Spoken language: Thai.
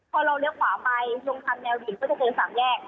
พอเราเลี้ยวขวาไปลงคำแนวดิ่งก็จะเกิน๓แยก